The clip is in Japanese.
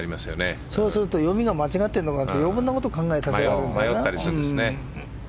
そうすると読みが間違ってるのかなって余計なこと考えちゃうんだよね。